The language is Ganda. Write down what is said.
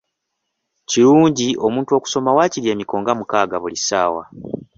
Kirungi omuntu okusoma waakiri emiko nga mukaaga buli ssaawa.